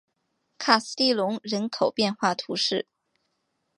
卡斯蒂隆人口变化图示